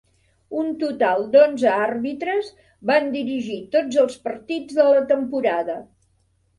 Un total d'onze àrbitres van dirigir tots els partits de la temporada.